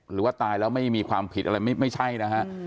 หรือว่าตายแล้วไม่มีความผิดอะไรไม่ใช่นะฮะ